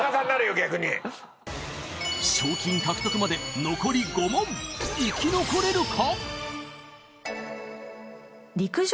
逆に賞金獲得まで残り５問生き残れるか？